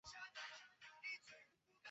辽宁冠蛭蚓为蛭蚓科冠蛭蚓属的动物。